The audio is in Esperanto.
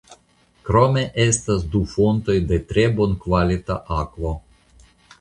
Krome estas du fontoj de tre bonkvalita akvo.